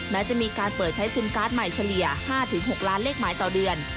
แม้จะมีการเปิดใช้ซิมการ์ดใหม่เฉลี่ย๕๖ล้านเลขหมายต่อเดือน